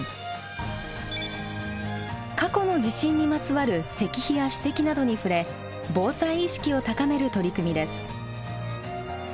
過去の地震にまつわる石碑や史跡などに触れ防災意識を高める取り組みです。